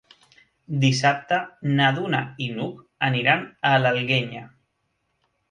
Dissabte na Duna i n'Hug aniran a l'Alguenya.